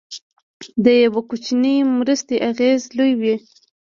د یو کوچنۍ مرستې اغېز لوی وي.